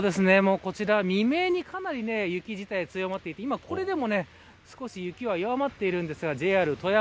こちら、未明にかなり雪自体強まって今これでも少し雪は弱まっているんですがＪＲ